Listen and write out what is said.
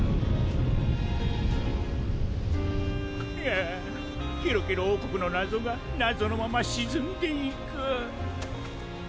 ああケロケロおうこくのなぞがなぞのまましずんでいく。